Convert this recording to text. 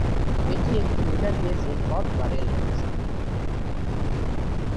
এটি একটি metre gauge রেলপথ বা রেল ব্যবস্থা।